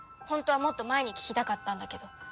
本当はもっと前に聞きたかったんだけど。